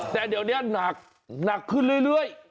แต่เดี๋ยวนี้หนักหนักขึ้นเรื่อย